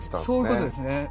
そういうことですね。